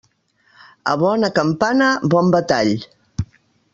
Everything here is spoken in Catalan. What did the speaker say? A bona campana, bon batall.